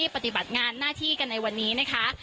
ปฏิบัติงานหน้าที่อื่นนี้นะคะ